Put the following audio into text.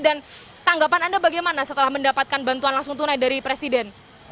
dan tanggapan anda bagaimana setelah mendapatkan bantuan langsung tunai dari presiden